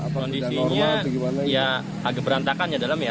kondisinya ya agak berantakan ya dalam ya